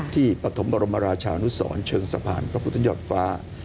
ปฐมบรมราชานุสรเชิงสะพานพระพุทธยอดฟ้า